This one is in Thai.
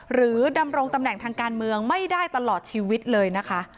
ดำรงตำแหน่งทางการเมืองไม่ได้ตลอดชีวิตเลยนะคะ